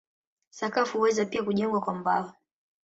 Sakafu huweza pia kujengwa kwa mbao.